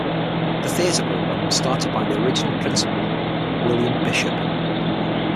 The theatre program was started by the original principal William Bishop.